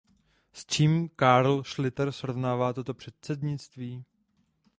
S čím Carl Schlyter srovnává toto předsednictví?